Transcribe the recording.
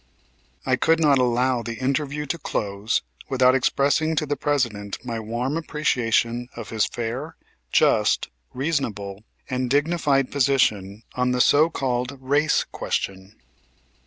I could not allow the interview to close without expressing to the President my warm appreciation of his fair, just, reasonable and dignified position on the so called race question.